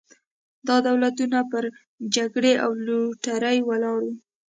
دا دولتونه پر جګړې او لوټرۍ ولاړ وو.